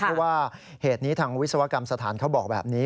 เพราะว่าเหตุนี้ทางวิศวกรรมสถานเขาบอกแบบนี้